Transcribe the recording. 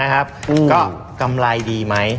ก็กำไรดีไหม